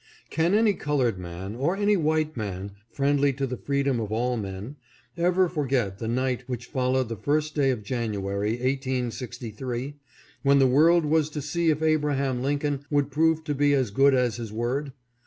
Can any colored man, or any white man friendly to the freedom of all men, ever forget the night which followed the first day of January, 1863, when the world was to see if Abraham Lincoln would prove to be as good as his word